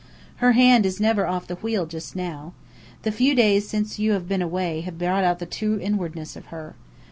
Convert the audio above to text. Her hand is never off the wheel just now! The few days since you have been away have brought out the true inwardness of her.